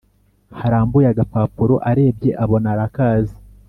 harambuye agapapuro arebye abona arakazi